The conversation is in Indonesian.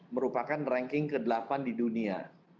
merupakan ranking ke delapan di dunia